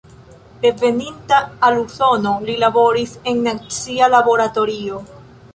Reveninta al Usono li laboris en nacia laboratorio.